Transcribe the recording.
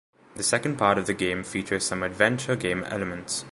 The second part of the game features some adventure game elements.